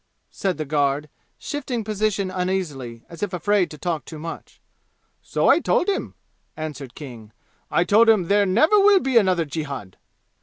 said the guard, shifting position uneasily, as if afraid to talk too much. "So I told him!" answered King. "I told him there never will be another jihad."'